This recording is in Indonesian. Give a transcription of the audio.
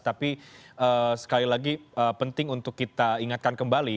tapi sekali lagi penting untuk kita ingatkan kembali